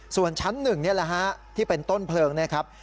ส่วนชั้น๑ที่เป็นต้นเพลิงนะครับ